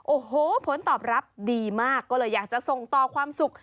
โอ้โหผลตอบรับดีมากก็เลยอยากจะส่งต่อความสุข